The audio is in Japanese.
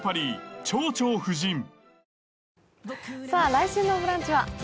来週の「ブランチ」は。